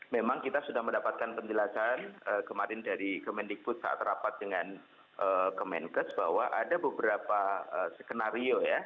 memang kita sudah mendapatkan penjelasan kemarin dari kemendikbud saat rapat dengan kemenkes bahwa ada beberapa skenario ya